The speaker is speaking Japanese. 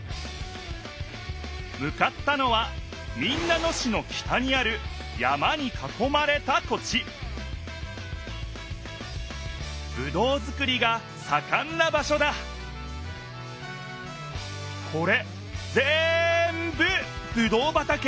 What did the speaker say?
向かったのは民奈野市の北にある山にかこまれた土地ぶどうづくりがさかんな場所だこれぜんぶぶどう畑。